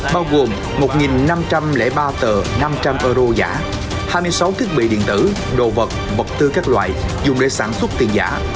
bao gồm một năm trăm linh ba tờ năm trăm linh euro giả hai mươi sáu thiết bị điện tử đồ vật vật tư các loại dùng để sản xuất tiền giả